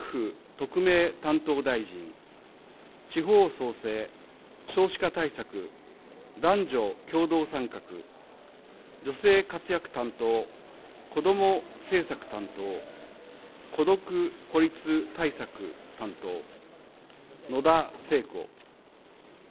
特命担当大臣、地方創生、少子化対策、男女共同参画、女性活躍担当、こども政策担当、孤独孤立対策担当、野田聖子。